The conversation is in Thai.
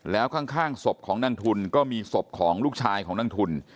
แล้วข้างศพของนางทุนก็มีศพของลูกชายของนางทุน